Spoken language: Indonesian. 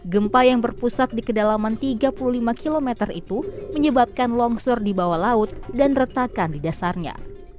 gempa yang berpusat di kedalaman tiga puluh lima km itu menyebabkan longsor di bawah laut dan retakan di dasarnya